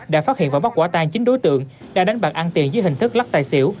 đã phát hiện và bắt quả tan chín đối tượng đang đánh bạc ăn tiền dưới hình thức lắc tài xỉu